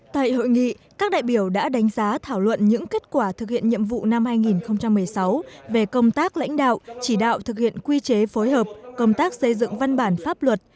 tại hội nghị các đại biểu đã đánh giá thảo luận những kết quả thực hiện nhiệm vụ năm hai nghìn một mươi sáu về công tác lãnh đạo chỉ đạo thực hiện quy chế phối hợp công tác xây dựng văn bản pháp luật